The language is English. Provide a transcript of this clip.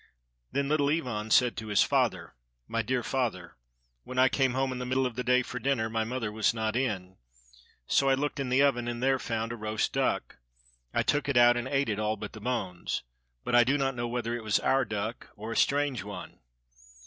Then Little Ivan said to his father— "My dear father, when I came home, in the middle of the day, for dinner, my mother was not in, so I looked in the oven, and there found a roast duck. I took it out and ate it all but the bones, but I do not know whether it was our duck or a strange one."